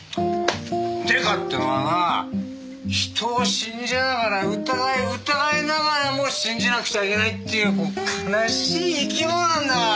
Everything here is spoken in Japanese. デカってのはなぁ人を信じながら疑い疑いながらも信じなくちゃいけないっていう悲しい生き物なんだよ。